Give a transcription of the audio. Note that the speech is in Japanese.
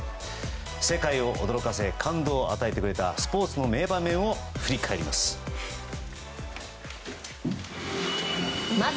世界を驚かせ感動を与えてくれたスポーツの名場面を振り返ります。